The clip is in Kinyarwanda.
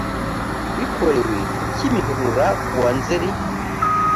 bikorewe ku kimihurura kuwa nzeri